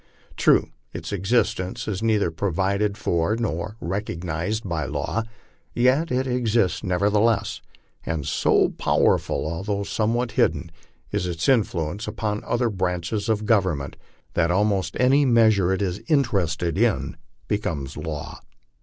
True, its existence is neither provided for nor recog nized by law; yet it exists nevertheless, and so powerful, although somewhat hidden, is its influence upon the other branches of Congress, that almost any measure it is interested in becomes a law.